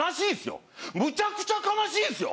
むちゃくちゃ悲しいですよ。